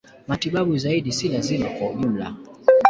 Matibabu zaidi si lazima kwa ujumla.